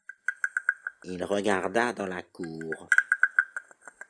Il regarda dans la cour.